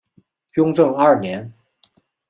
雍正二年。